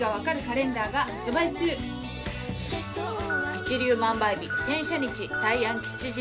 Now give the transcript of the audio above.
一粒万倍日天赦日大安吉日